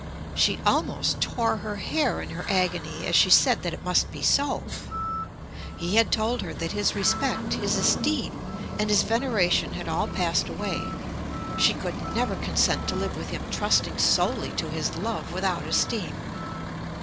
She almost tore her hair in her agony as she said that it must be so. He had told her that his respect, his esteem, and his veneration, had all passed away. She could never consent to live with him trusting solely to his love without esteem.